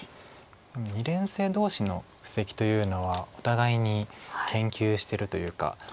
二連星同士の布石というのはお互いに研究してるというか。